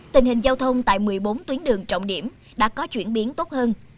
tình hình giao thông tại một mươi bốn tuyến đường trọng điểm đã có chuyển biến tốt hơn